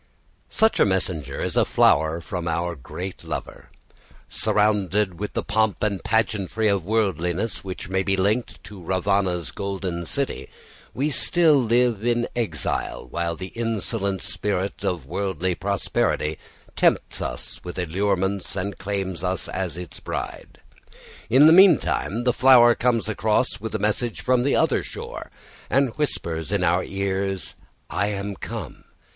Such a messenger is a flower from our great lover. Surrounded with the pomp and pageantry of worldliness, which may be linked to Ravana's golden city, we still live in exile, while the insolent spirit of worldly prosperity tempts us with allurements and claims us as its bride. In the meantime the flower comes across with a message from the other shore, and whispers in our ears, "I am come.